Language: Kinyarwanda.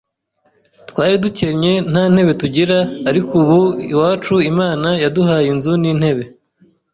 Twari dukennye, nta ntebe tugira, ariko ubu iwacu Imana yaduhaye inzu n’intebe,